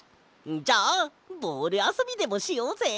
じゃあボールあそびでもしようぜ！